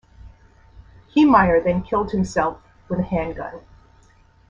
Heemeyer then killed himself with a handgun.